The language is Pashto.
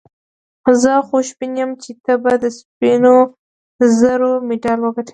زه خوشبین یم چي ته به د سپینو زرو مډال وګټې.